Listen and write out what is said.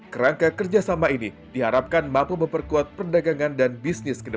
kerangka kerjasama ini diharapkan mampu memperkuat